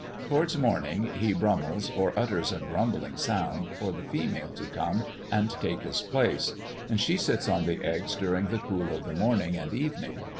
Towards morning, he brummels, or utters a grumbling sound, for the female to come and take his place; and she sits on the eggs during the cool of the morning and evening.